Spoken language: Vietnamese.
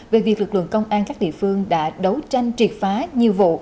về việc lực lượng công an các địa phương đã đấu tranh triệt phá nhiều vụ